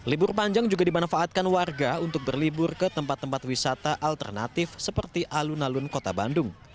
libur panjang juga dimanfaatkan warga untuk berlibur ke tempat tempat wisata alternatif seperti alun alun kota bandung